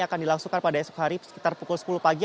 akan dilangsungkan pada esok hari sekitar pukul sepuluh pagi